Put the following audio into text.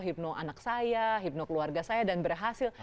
hipno anak saya hipno keluarga saya dan berhasil